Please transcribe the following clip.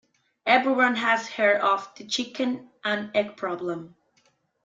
Everyone has heard of the chicken and egg problem.